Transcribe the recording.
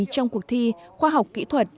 trong cuộc thi khoa học kỹ thuật